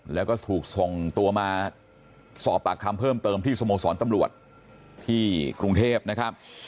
แล้วก็ถูกส่งตัวมาสอบปากคำเพิ่มเติมที่สโมสรตำรวจที่กรุงเทพนะครับ